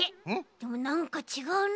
でもなんかちがうな。